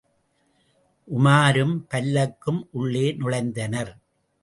உமாரும், பல்லக்கும் உள்ளே நுழைந்தனர்.